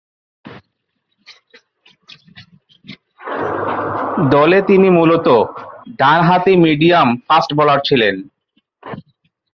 দলে তিনি মূলতঃ ডানহাতি মিডিয়াম ফাস্ট বোলার ছিলেন।